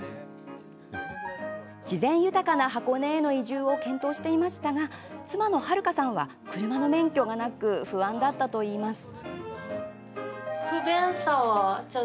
自然豊かな箱根への移住を検討していましたが妻の春香さんは、車の免許がなく不安だったといいます。